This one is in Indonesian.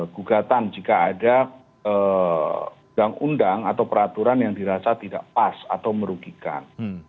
gugatan jika ada undang undang atau peraturan yang dirasa tidak pas atau merugikan